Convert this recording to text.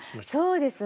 そうです。